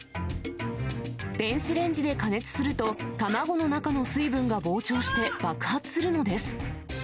電子レンジで加熱すると、卵の中の水分が膨張して、爆発するのです。